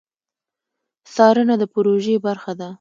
څارنه د پروژې برخه ده